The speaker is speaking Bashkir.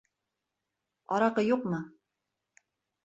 Араҡы юҡмы?